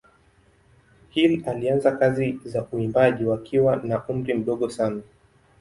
Hill alianza kazi za uimbaji wakiwa na umri mdogo sana.